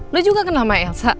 lo juga kenal sama elsa